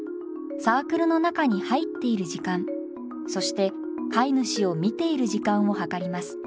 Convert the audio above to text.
サークルの中に入っている時間そして飼い主を見ている時間を計ります。